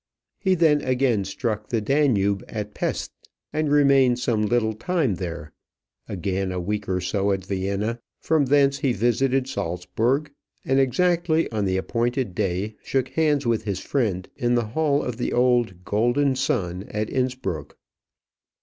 He then again struck the Danube at Pesth; remained some little time there; again a week or so at Vienna; from thence he visited Saltzburg, and exactly on the appointed day shook hands with his friend in the hall of the old "Golden Sun" at Innspruck.